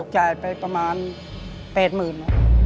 จ่ายไปประมาณ๘หมื่น